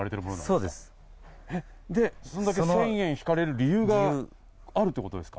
１０００円引かれる理由があるということですか？